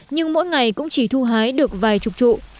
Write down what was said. nhưng mỗi ngày cũng chỉ thu hái được vài chục trụ